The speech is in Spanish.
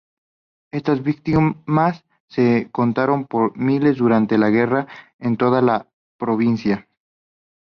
Estas víctimas se contaron por miles durante la guerra en toda la provincia.